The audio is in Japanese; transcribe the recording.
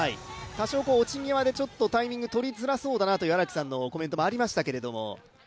多少落ち際でタイミングがとりづらそうだなという荒木さんのコメントもありましたけれども。